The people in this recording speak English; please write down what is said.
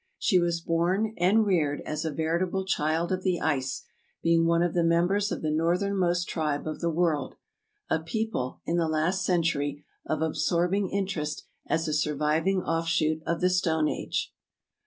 She was born (and reared) as a veritable Child of the Ice, being one of the members of the northernmost tribe of the world, — a people, in the last century, of absorbing interest as a surviving offshoot of the Stone Age.